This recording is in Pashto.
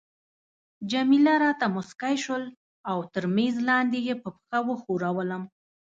جميله راته مسکی شول او تر میز لاندي يې په پښه وښورولم.